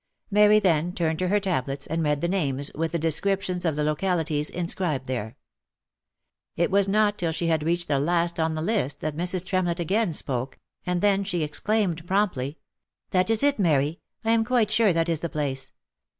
Mary then turned to her tablets, and read the names, with the descriptions of the localities inscribed there. It was not till she had reached the last in the list that Mrs. Tremlett again spoke, and then she exclaimed promptly, " That is it, Mary ! I am quite sure that is the place